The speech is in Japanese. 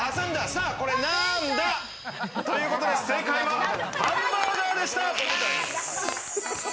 さぁ、ということで正解はハンバーガーでした！